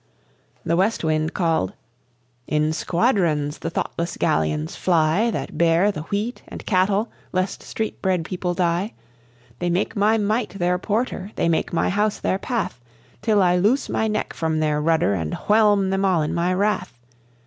The West Wind called: "In squadrons the thoughtless galleons fly That bear the wheat and cattle lest street bred people die. They make my might their porter, they make my house their path, Till I loose my neck from their rudder and whelm them all in my wrath.